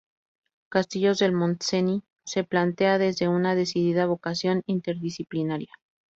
Castillos del Montseny se plantea desde una decidida vocación interdisciplinaria.